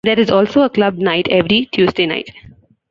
There is also a club night every Tuesday night.